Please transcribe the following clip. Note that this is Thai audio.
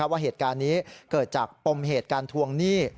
ว่าเหตุการณ์นี้เกิดจากปมเหตุการทวงหนี้